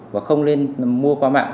và không nên mua qua mạng